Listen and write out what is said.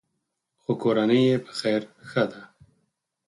خو کورنۍ یې په خیر ښه ده.